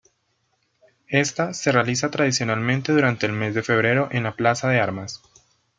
Esta se realiza tradicionalmente durante el mes de febrero en la Plaza de Armas.